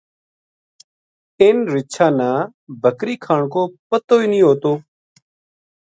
اِنھ رچھاں نا بکری کھان کو پتو ہی نیہہ ہوتو